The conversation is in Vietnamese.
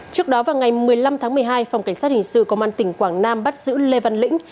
trước đó vào ngày một mươi năm tháng một mươi hai phòng cảnh sát hình sự công an tỉnh quảng nam bắt giữ lê văn lĩnh